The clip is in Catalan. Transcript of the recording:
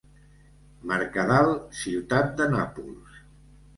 Mercadal, ciutat de Nàpols.